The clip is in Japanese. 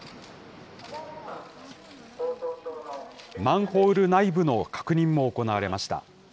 マンホール内部の確認も行われました。